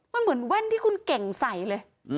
มันเหมือนแว่นที่คุณเก่งใส่เลย